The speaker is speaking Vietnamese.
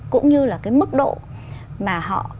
cũng như là cái mức độ mà họ